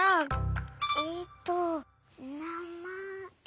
えっとなまえ。